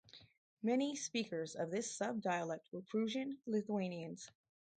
Many speakers of this subdialect were Prussian Lithuanians.